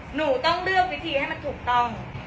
หนูต้องเลือกวิธีให้มันถูกต้อง